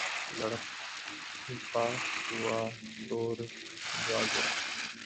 لڑھکتا ہوا دور جا گرا